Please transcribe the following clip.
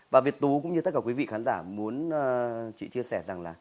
bà việt tú cũng như tất cả quý vị khán giả muốn chị chia sẻ rằng là